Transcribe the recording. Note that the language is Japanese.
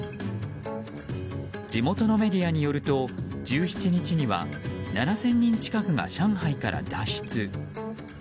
地元のメディアによると１７日には７０００人近くが上海から脱出。